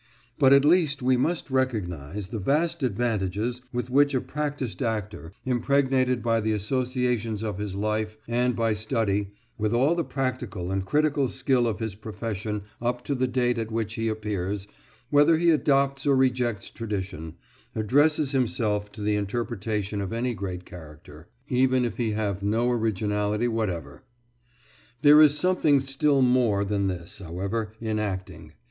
But at least we must recognise the vast advantages with which a practised actor, impregnated by the associations of his life, and by study with all the practical and critical skill of his profession up to the date at which he appears, whether he adopts or rejects tradition addresses himself to the interpretation of any great character, even if he have no originality whatever. There is something still more than this, however, in acting.